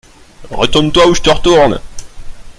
Retourne-toi ou je te retourne !